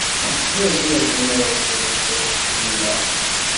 Ma rriɣ-d imirẓig, cenna!